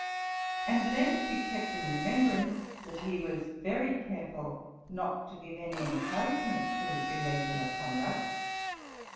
And let it be kept in remembrance, that he was very careful not to give any encouragement to irregular conduct.